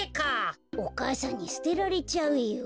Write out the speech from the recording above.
お母さんにすてられちゃうよ。